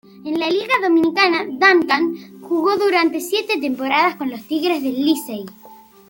En la Liga Dominicana, "Duncan" jugó durante siente temporadas con los Tigres del Licey.